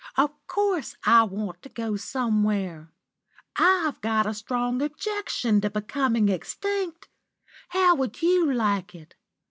Of course, I want to go somewhere. I've got a strong objection to becoming extinct. How would you like it?